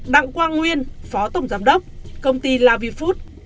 đặng quang nguyên phó tổng giám đốc công ty lavifood